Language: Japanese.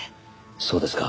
そうですか。